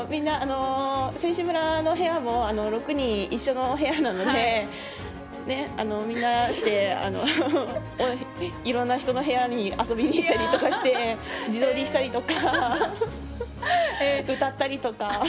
選手村の部屋も６人一緒の部屋なのでみんなしていろんな人の部屋に遊びに行ったりとかして自撮りしたりとか歌ったりとか。